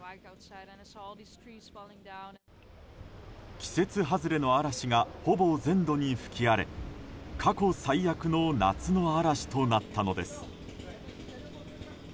季節外れの嵐がほぼ全土に吹き荒れ過去最悪の夏の嵐となったのです。